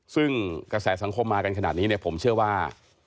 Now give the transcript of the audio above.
ซึ่งกระแสสังคมมากันขนาดนี้เนี่ยผมเชื่อว่า